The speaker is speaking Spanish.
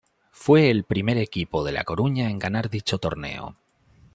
Fue el primer equipo de La Coruña en ganar dicho torneo.